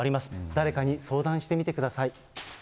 誰かに相談してみてください。